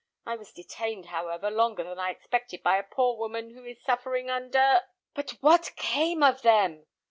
I was detained, however, longer than I expected by a poor woman who is suffering under " "But what came of them?"